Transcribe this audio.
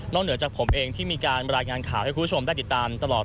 เหนือจากผมเองที่มีการรายงานข่าวให้คุณผู้ชมได้ติดตามตลอด